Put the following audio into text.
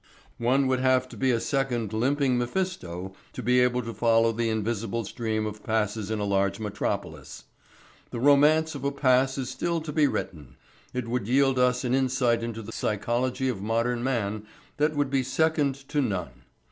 One would have to be a second limping Mephisto to be able to follow the invisible stream of passes in a large metropolis. The romance of a pass is still to be written. It would yield us an insight into the psychology of modern man that would be second to none.